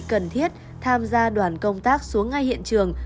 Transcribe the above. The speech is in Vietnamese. cần thiết tham gia đoàn công tác xuống ngay hiện trường